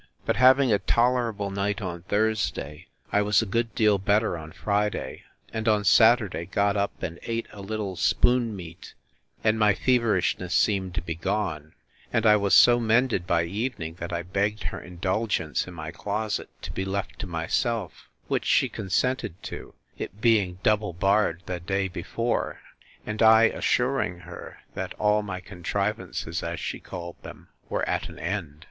But having a tolerable night on Thursday, I was a good deal better on Friday, and on Saturday got up, and ate a little spoon meat, and my feverishness seemed to be gone; and I was so mended by evening, that I begged her indulgence in my closet, to be left to myself; which she consented to, it being double barred the day before, and I assuring her, that all my contrivances, as she called them, were at an end.